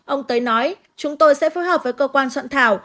ông tới nói chúng tôi sẽ phối hợp với cơ quan soạn thảo